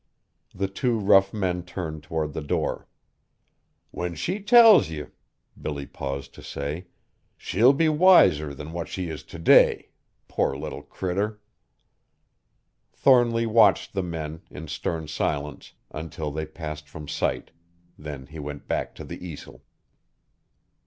The two rough men turned toward the door. "When she tells ye," Billy paused to say, "she'll be wiser than what she is t' day, poor little critter!" Thornly watched the men, in stern silence, until they passed from sight; then he went back to the easel.